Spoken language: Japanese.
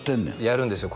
やるんですよ